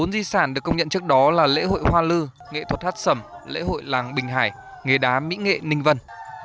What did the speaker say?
bốn di sản được công nhận trước đó là lễ hội hoa lư nghệ thuật hát sầm lễ hội làng bình hải nghề đá mỹ nghệ ninh vân